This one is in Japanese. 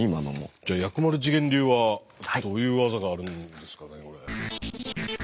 じゃあ薬丸自顕流はどういう技があるんですかね？